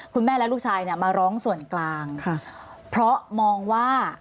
ลูกชายและลูกชายเนี่ยมาร้องส่วนกลางค่ะเพราะมองว่า